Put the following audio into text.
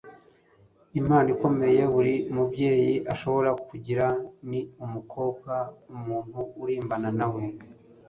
impano ikomeye buri mubyeyi ashobora kugira ni umukobwa umuntu uririmbana na we